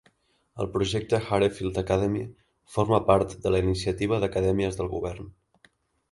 El projecte Harefield Academy forma part de la iniciativa d'Acadèmies del Govern.